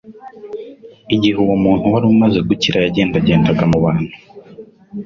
Igihe uwo muntu wari umaze gukira yagendagendaga mu bantu,